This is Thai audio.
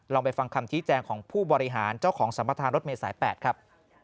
ไปฟังคำชี้แจงของผู้บริหารเจ้าของสัมประธานรถเมษาย๘ครับ